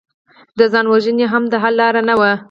د ځان وژنه هم د حل لاره نه وه